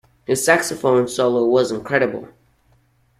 His saxophone solo was incredible.